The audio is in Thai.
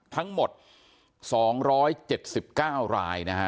ทั้งหมด๒๗๙ราย